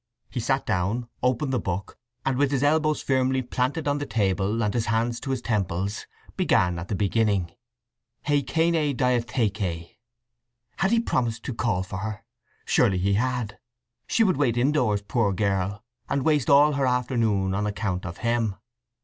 He sat down, opened the book, and with his elbows firmly planted on the table, and his hands to his temples, began at the beginning: Η ΚΑΙΝΗ ΔΙΑΘΗΚΗ. Had he promised to call for her? Surely he had! She would wait indoors, poor girl, and waste all her afternoon on account of him.